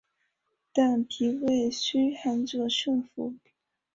但脾胃虚寒者慎服。